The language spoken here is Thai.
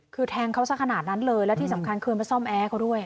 คือแทงเขาสักขนาดนั้นเลยและที่สำคัญเคยมาซ่อมแอร์เขาด้วย